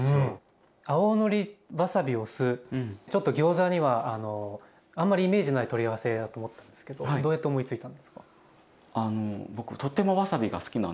青のりわさびお酢ちょっとギョーザにはあんまりイメージのない取り合わせだと思ったんですけどどうやって思いついたんですか？